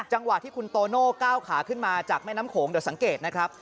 จังหวะที่คุณโตโน่ก้าวขาขึ้นมาจากแม่น้ำโขงเดี๋ยวสังเกตนะครับ